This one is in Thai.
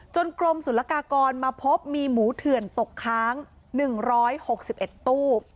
กรมศุลกากรมาพบมีหมูเถื่อนตกค้าง๑๖๑ตู้